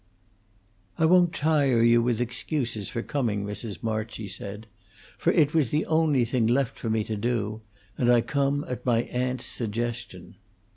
"I won't tire you with excuses for coming, Mrs. March," she said, "for it was the only thing left for me to do; and I come at my aunt's suggestion."